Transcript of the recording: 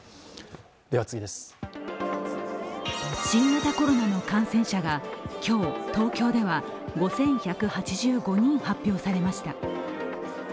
新型コロナの感染者が今日、東京では５１８５人発表されました。